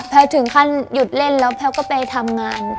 ถึงขั้นหยุดเล่นแล้วแพทย์ก็ไปทำงาน